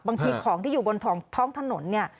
บางทีของที่อยู่บนท้องถนนเนี่ย